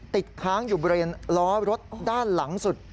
ติดค้างอยู่บริเวณล้อรถด้านหลังสุด